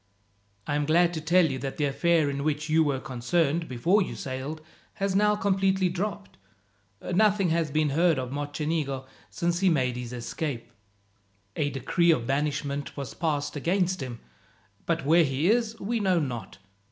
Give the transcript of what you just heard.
"I am glad to tell you that the affair in which you were concerned, before you sailed, has now completely dropped. Nothing has been heard of Mocenigo since he made his escape. "A decree of banishment was passed against him, but where he is we know not.